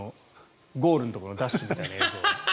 ゴールのところのダッシュみたいな映像。